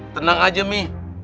tenang aja umi